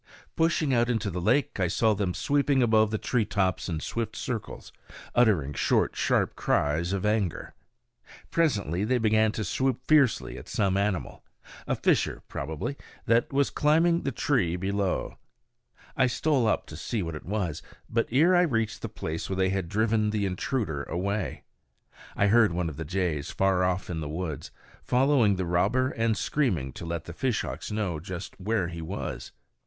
Pushing out into the lake, I saw them sweeping above the tree tops in swift circles, uttering short, sharp cries of anger. Presently they began to swoop fiercely at some animal a fisher, probably that was climbing the tree below. I stole up to see what it was; but ere I reached the place they had driven the intruder away. I heard one of the jays far off in the woods, following the robber and screaming to let the fishhawks know just where he was.